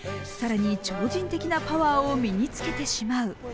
更に超人的なパワーを身につけてしまう。